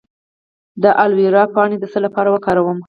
د الوویرا پاڼې د څه لپاره وکاروم؟